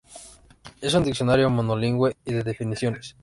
Es un diccionario monolingüe y de definiciones.